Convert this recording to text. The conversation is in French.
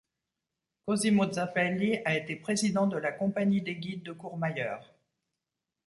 Cosimo Zappelli a été président de la compagnie des guides de Courmayeur.